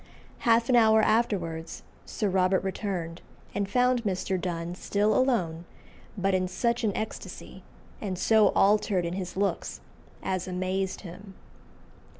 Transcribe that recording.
Half an hour afterwards Sir Robert returned, and found Mr. Donne still alone, "but in such an ecstasy, and so altered in his looks," as amazed him.